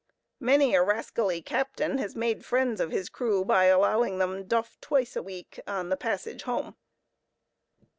Many a rascally captain has made friends of his crew by allowing them duff twice a week on the passage home.